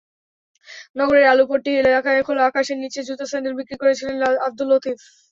নগরের আলুপট্টি এলাকায় খোলা আকাশের নিচে জুতা স্যান্ডেল বিক্রি করছিলেন আব্দুল লতিফ।